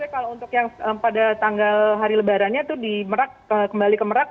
kalau untuk yang pada tanggal hari lebarannya itu di merak kembali ke merak